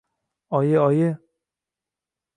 Oyi, oyi!